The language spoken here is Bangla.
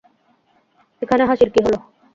এখানে হাসির কী হলো?